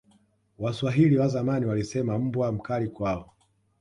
waswahili wa zamani walisema mbwa mkali kwao